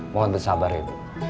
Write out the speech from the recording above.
mohon bersabar ibu